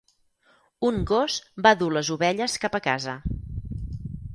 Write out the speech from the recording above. Un gos va dur les ovelles cap a casa.